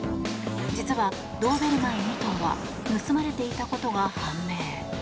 実は、ドーベルマン２頭は盗まれていたことが判明。